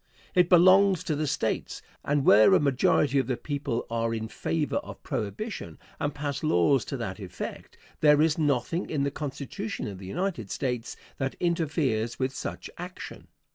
It belongs to the States; and where a majority of the people are in favor of prohibition and pass laws to that effect, there is nothing in the Constitution of the United States that interferes with such action.